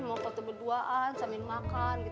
mau foto berduaan sambil makan